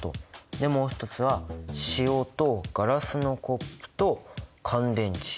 でもう一つは塩とガラスのコップと乾電池。